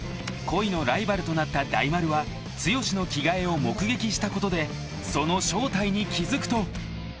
［恋のライバルとなった大丸は剛の着替えを目撃したことでその正体に気付くと］